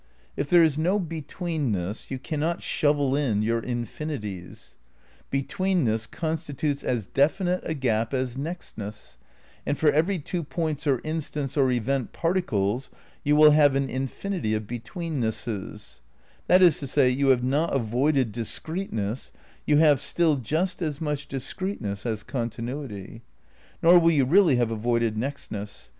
If there is no betweenness you cannot shovel in your infinities ; betweenness constitutes as definite a gap as nextness, and for every two points or instants or event particles you will have an infinity of betweennesses ; that is to say, you have not avoided discreteness, you have still just as much discreteness as continuity. Nor will you really have avoided nextness.